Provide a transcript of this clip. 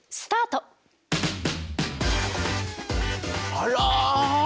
あら！